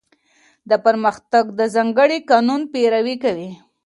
دا پرمختګ د ځانګړي قانون پیروي کوي.